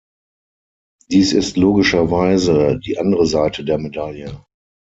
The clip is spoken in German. Dies ist logischerweise die andere Seite der Medaille.